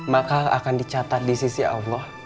maka akan dicatat di sisi allah